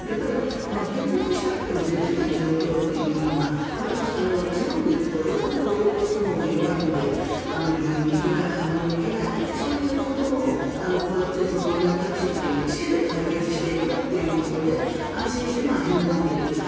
返納したくてもできない状況というのが地方に行くとどうしても公共交通網が弱いので病院に行けない買い物に行けないそういうことをこうやってタクシーという知恵で解決していくということで安心して返納ができる。